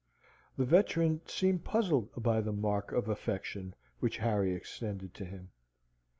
The veteran seemed puzzled by the mark of affection which Harry extended to him.